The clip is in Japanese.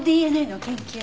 ＤＮＡの研究。